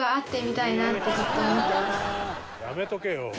「やめとけよ！」